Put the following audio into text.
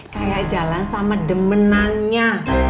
kayak jalan sama demenannya